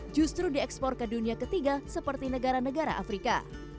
justru diekspor ke dunia ketiga seperti negara negara afrika